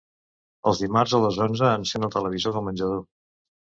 Els dimarts a les onze encèn el televisor del menjador.